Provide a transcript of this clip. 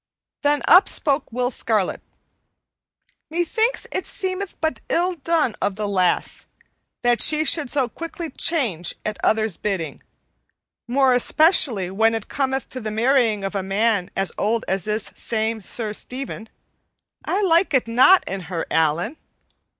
Then up spoke Will Scarlet. "Methinks it seemeth but ill done of the lass that she should so quickly change at others' bidding, more especially when it cometh to the marrying of a man as old as this same Sir Stephen. I like it not in her, Allan."